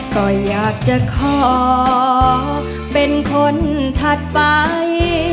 ก็อยากจะขอเป็นคนถัดไป